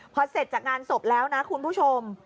พอเสร็จจากงานศพแล้วนะคุณผู้ชม